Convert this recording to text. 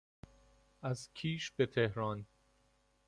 از کیش به تهران